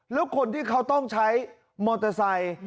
แล้วคนที่เขาต้องใช้มอเตอร์ไซค์